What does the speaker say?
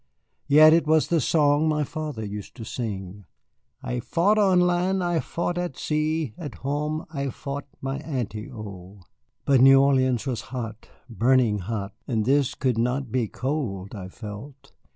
Yes, it was the song my father used to sing: "I've faught on land? I've faught at sea, At hame I've faught my aunty, O!" But New Orleans was hot, burning hot, and this could not be cold I felt.